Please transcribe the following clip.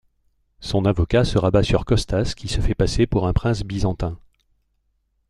Son avocat se rabat sur Kostas qui se fait passer pour un prince byzantin.